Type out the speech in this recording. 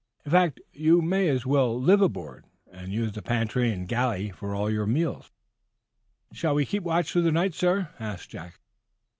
"In fact, you may as well live aboard, and use the pantry and galley for all your meals." "Shall we keep watch through the night, sir?" asked Jack.